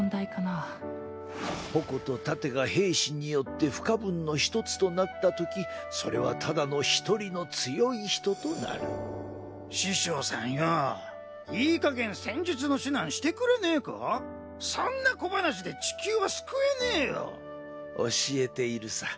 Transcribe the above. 矛と盾が兵士によって不可分の一つとなったときそれはただの一人の強い人となる師匠さんよぉいいかげん戦術そんな小ばなしで地球は救えねぇよ教えているさ。